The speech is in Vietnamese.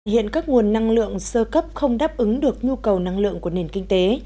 hiện các nguồn năng lượng sơ cấp không đáp ứng được nhu cầu năng lượng của nền kinh tế